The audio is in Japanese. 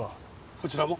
こちらも？